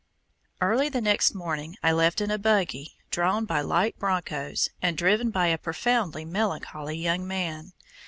Early the next morning I left in a buggy drawn by light broncos and driven by a profoundly melancholy young man.